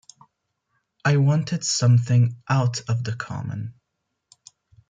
I wanted something out of the common.